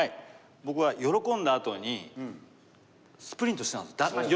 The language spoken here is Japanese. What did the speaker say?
僕は喜んだあとにスプリントしたんですよ